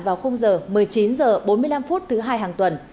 vào giờ một mươi chín h bốn mươi năm thứ hai hàng tuần